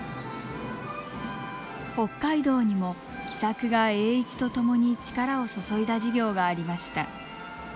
北海道にも喜作が栄一と共に力を注いだ事業がありました。